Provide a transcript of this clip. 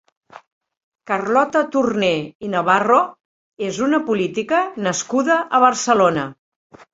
Carlota Torné i Navarro és una política nascuda a Barcelona.